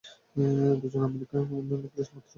দুজন American lady friend মাত্র আছেন।